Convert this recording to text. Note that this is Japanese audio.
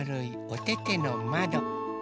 おててのまど。